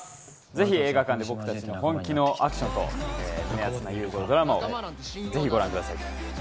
ぜひ映画館で僕たちの本気のアクションと胸アツな友情ドラマをご覧ください。